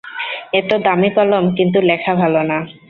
এত দামী কলম, কিন্তু লেখা ভালো না।